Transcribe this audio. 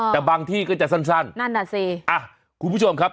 แต่บางที่ก็จะสั้นนั่นน่ะสิอ่ะคุณผู้ชมครับ